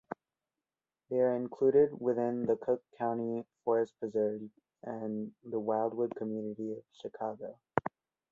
They are included within the Cook County Forest Preserve and Wildwood community of Chicago.